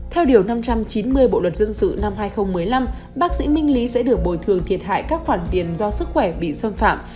theo điều năm trăm chín mươi bộ luật dân sự năm hai nghìn một mươi năm bác sĩ minh lý sẽ được bồi thường thiệt hại các khoản tiền do sức khỏe bị xâm phạm